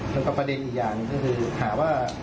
แล้วก็ประเด็นอีกอย่างก็คือหาว่า